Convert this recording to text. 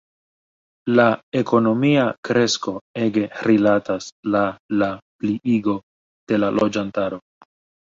La ekonomia kresko ege rilatas la la pliigo de la loĝantaro.